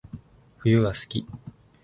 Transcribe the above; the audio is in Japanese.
冬が好き